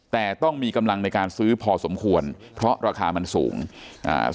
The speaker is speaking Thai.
แต่ต้องมีกำลังในการซื้อพอสมควรเพราะราคามันสูงอ่า